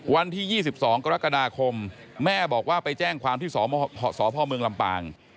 วันที่๒๒กรกฎาคมแม่บอกว่าไปแจ้งความที่สพเมืองลำปาง